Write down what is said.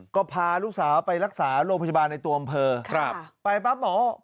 ก็พาลูกสาวไปรักษาโรงพยาบาลในตัวอำเภอครับไปปั๊บหมอ